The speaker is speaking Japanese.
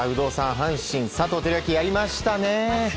阪神、佐藤輝明やりましたね。